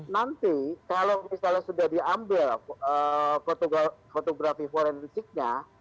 nanti kalau misalnya sudah diambil fotografi forensiknya